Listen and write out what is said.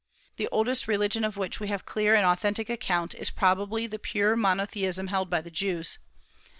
The oldest religion of which we have clear and authentic account is probably the pure monotheism held by the Jews.